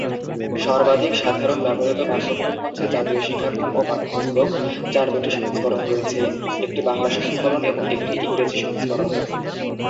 সর্বাধিক সাধারণ ব্যবহৃত পাঠ্যক্রম হচ্ছে জাতীয় শিক্ষাক্রম ও পাঠ্যপুস্তক, যার দুটি সংস্করণ রয়েছে, একটি বাংলা সংস্করণ এবং একটি ইংরেজি সংস্করণ।